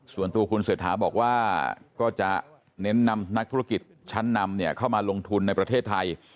ส่วนตัวคุณเศรษฐาบอกว่าก็จะเน้นนำนักธุรกิจชั้นนำเข้ามาลงทุนในประเทศไทย